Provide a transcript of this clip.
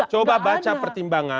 coba baca pertimbangan